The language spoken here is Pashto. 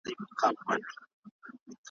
بې گناه مي په ناحقه تور نيولي `